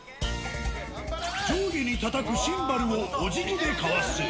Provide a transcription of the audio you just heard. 上下にたたくシンバルをおじぎでかわす。